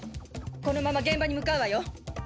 このまま現場に向かうわよ。